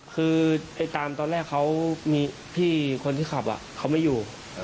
คือตามตอนแรกเขามีพี่คนที่ขับเขาไม่อยู่